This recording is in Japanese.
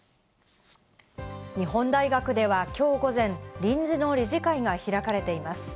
日本大学ではきょう午前、臨時の理事会が開かれています。